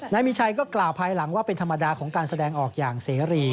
นายมีชัยก็กล่าวภายหลังว่าเป็นธรรมดาของการแสดงออกอย่างเสรี